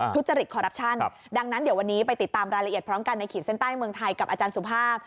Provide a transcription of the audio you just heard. ทุจริตคอรัปชั่นดังนั้นเดี๋ยววันนี้ไปติดตามรายละเอียดพร้อมกันในขีดเส้นใต้เมืองไทยกับอาจารย์สุภาพ